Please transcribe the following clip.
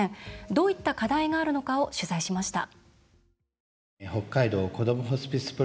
どういった課題があるのか取材しました。